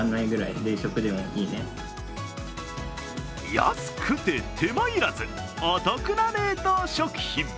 安くて手間要らず、お得な冷凍食品。